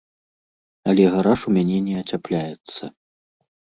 Але гараж у мяне не ацяпляецца.